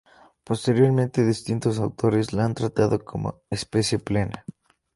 Posteriormente distintos autores la han tratado como especie plena.